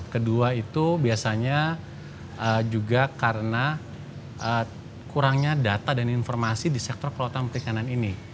kedua itu biasanya juga karena kurangnya data dan informasi di sektor kelautan perikanan ini